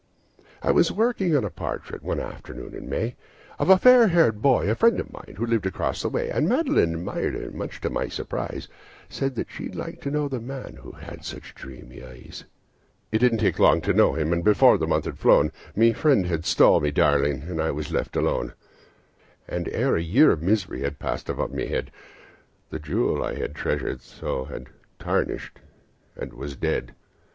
"I was working on a portrait, one afternoon in May, Of a fair haired boy, a friend of mine, who lived across the way. And Madeline admired it, and much to my surprise, Said she'd like to know the man that had such dreamy eyes. "It didn't take long to know him, and before the month had flown My friend had stole my darling, and I was left alone; And ere a year of misery had passed above my head, The jewel I had treasured so had tarnished and was dead.